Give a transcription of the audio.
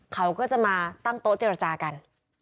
เขาก็จะมาตั้งโต๊ะเจรจากัน